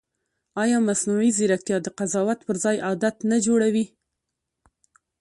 ایا مصنوعي ځیرکتیا د قضاوت پر ځای عادت نه جوړوي؟